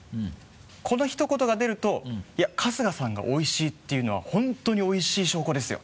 このひと言が出ると「春日さんがおいしいって言うのは本当においしい証拠ですよ」